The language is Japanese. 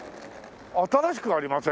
新しくありません？